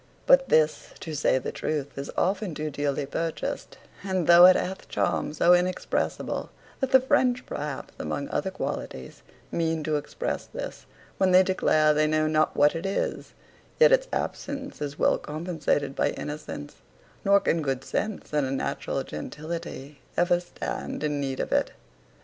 But this, to say the truth, is often too dearly purchased; and though it hath charms so inexpressible, that the French, perhaps, among other qualities, mean to express this, when they declare they know not what it is; yet its absence is well compensated by innocence; nor can good sense and a natural gentility ever stand in need of it.